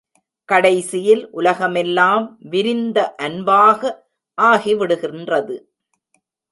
கடைசியில் உலகமெல்லாம் விரிந்த அன்பாக ஆகிவிடுகின்றது.